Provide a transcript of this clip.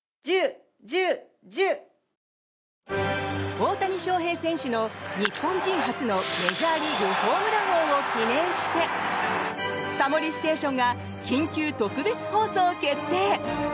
大谷翔平選手の日本人初のメジャーリーグホームラン王を記念して「タモリステーション」が緊急特別放送決定。